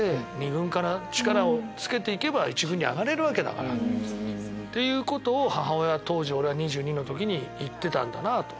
２軍から力をつけて行けば１軍に上がれるわけだから。っていうことを母親は俺が２２の時に言ってたんだと。